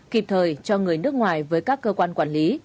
kịp thời cho người nước ngoài với các cơ quan quản lý